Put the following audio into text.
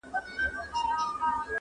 رسنۍ عامه ذهنیت جوړوي